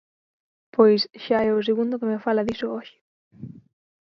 Pois xa es o segundo que me fala diso hoxe.